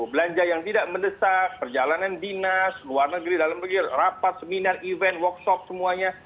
belanja yang tidak mendesak perjalanan dinas luar negeri dalam negeri rapat seminar event workshop semuanya